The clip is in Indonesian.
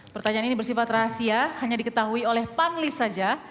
pertanyaan ini bersifat rahasia hanya diketahui oleh panelis saja